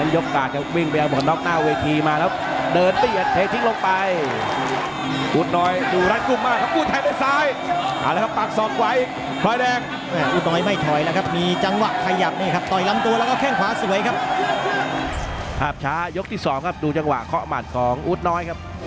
ภาพช้ายกที่สองครับดูจังหวะเคาะหมัดของอู๊ดน้อยครับ